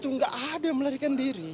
itu nggak ada yang melarikan diri